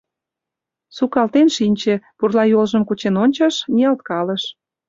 Сукалтен шинче, пурла йолжым кучен ончыш, ниялткалыш.